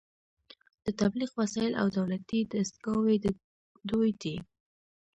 د تبلیغ وسایل او دولتي دستګاوې د دوی دي